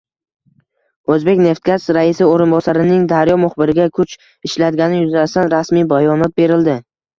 O‘zbekneftgaz raisi o‘rinbosarining Daryo muxbiriga kuch ishlatgani yuzasidan rasmiy bayonot berildi